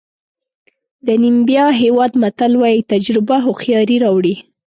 د نیمبیا هېواد متل وایي تجربه هوښیاري راوړي.